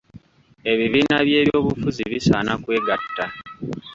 Ebibiina by’ebyobufuzi bisaana kwegatta.